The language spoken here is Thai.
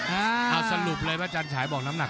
เอาสรุปเลยพระจันทรายบอกน้ำหนัก